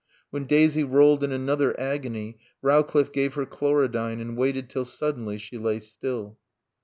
When Daisy rolled in another agony, Rowcliffe gave her chlorodyne and waited till suddenly she lay still.